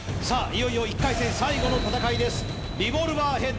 いよいよ１回戦最後の戦いです